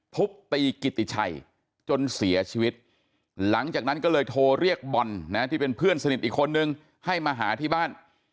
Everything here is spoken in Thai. ทุบตีกิติชัยจนเสียชีวิตหลังจากนั้นก็เลยโทรเรียกบอลนะที่เป็นเพื่อนสนิทอีกคนนึงให้มาหาที่บ้าน